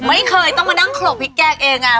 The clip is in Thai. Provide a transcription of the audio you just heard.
ไม่เคยต้องมานั่งโขลกพริกแกงเอง